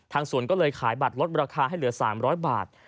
สวนก็เลยขายบัตรลดราคาให้เหลือ๓๐๐บาท